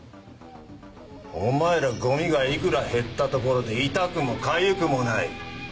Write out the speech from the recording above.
お前らゴミがいくら減ったところで痛くもかゆくもない。